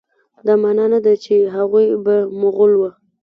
دا معنی نه ده چې هغوی به مغول وه.